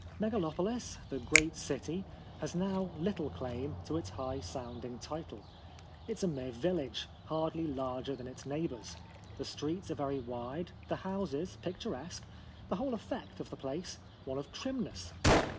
Megalopolis — the great city — has now little claim to its high sound ing title. It is a mere village, hardly larger than its neighbours. The streets are very wide, the houses picturesque, the whole effect of the place one of trimness.